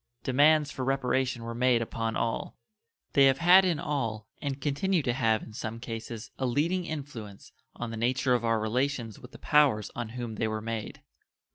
Demands for reparation were made upon all. They have had in all, and continue to have in some, cases a leading influence on the nature of our relations with the powers on whom they were made.